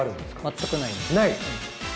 全くないですない？